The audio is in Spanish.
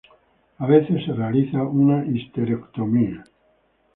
A veces se realiza una histerectomía.